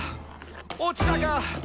落ちたか！」